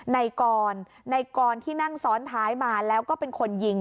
ในกรในกรที่นั่งซ้อนท้ายมาแล้วก็เป็นคนยิง